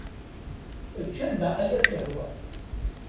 Ečč anda ay ak-yehwa.